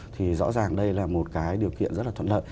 thì rõ ràng đây là một cái điều kiện rất là thuận lợi